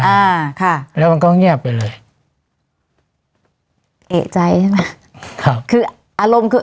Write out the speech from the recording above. อ่าค่ะแล้วมันก็เงียบไปเลยเอกใจใช่ไหมครับคืออารมณ์คือ